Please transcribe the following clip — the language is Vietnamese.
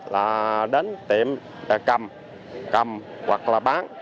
bọn chúng đến tiệm cầm hoặc bán